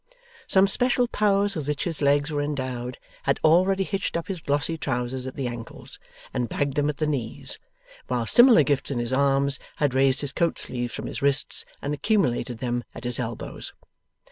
Some special powers with which his legs were endowed, had already hitched up his glossy trousers at the ankles, and bagged them at the knees; while similar gifts in his arms had raised his coat sleeves from his wrists and accumulated them at his elbows.